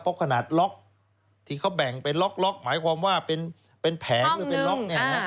ปกขนาดล็อคที่เขาแบ่งไปล็อคหมายความว่าเป็นแผงหรือเป็นล็อค